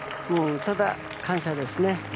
ただ感謝ですね。